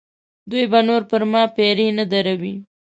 دوی به نور پر ما پیرې نه دروي.